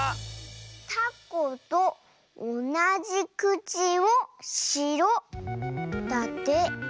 「たことおなじくちをしろ」だって。